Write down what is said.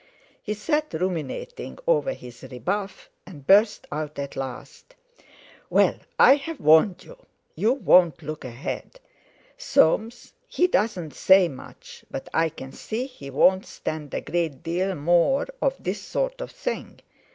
He sat ruminating over his rebuff, and burst out at last: "Well, I've warned you. You won't look ahead. Soames he doesn't say much, but I can see he won't stand a great deal more of this sort of thing.